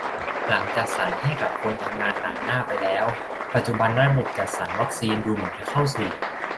หลังจัดสรรให้กับคนทำงานด่านหน้าไปแล้ว ปัจจุบันระบบจัดสรรวัคซีนดูเหมือนจะเข้าสู่